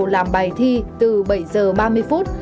làm bài thi từ bảy giờ ba mươi phút